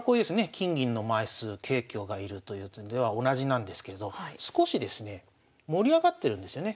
金銀の枚数桂香が居るという点では同じなんですけれど少しですね盛り上がってるんですよね